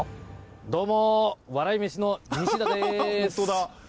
どうも笑い飯の西田です。